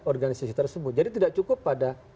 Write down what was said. organisasi tersebut jadi tidak cukup pada